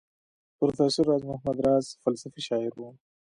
پروفیسر راز محمد راز فلسفي شاعر وو.